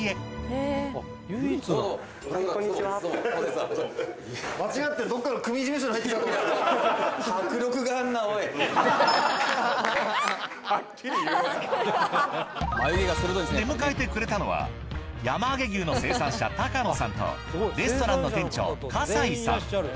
・はいこんにちは・出迎えてくれたのは山あげ牛の生産者高野さんとレストランの店長笠井さん。